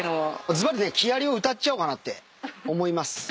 ずばりね木やりを歌っちゃおうかなって思います。